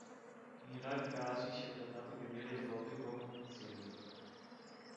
In rari casi si è trattato di vere e proprie co-conduzioni.